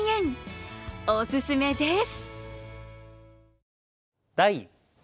おすすめです。